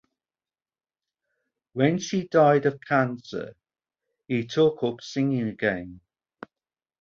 When she died of cancer, he took up singing again.